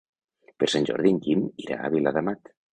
Per Sant Jordi en Guim irà a Viladamat.